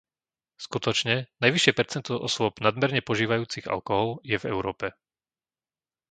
Skutočne, najvyššie percento osôb nadmerne požívajúcich alkohol je v Európe.